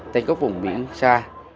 tên cốc vùng biển xa